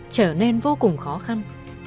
trở nên vô cùng khó khăn